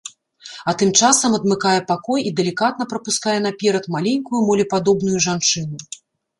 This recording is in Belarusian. А тым часам адмыкае пакой і далікатна прапускае наперад маленькую молепадобную жанчыну.